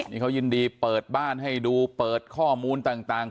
นี่เขายินดีเปิดบ้านให้ดูเปิดข้อมูลต่าง